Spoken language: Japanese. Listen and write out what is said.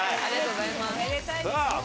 ありがとうございます。